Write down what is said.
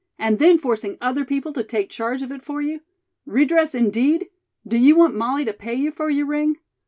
"And then forcing other people to take charge of it for you! Redress, indeed! Do you want Molly to pay you for your ring?